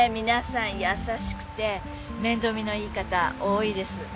皆さん優しくて面倒見のいい方多いです。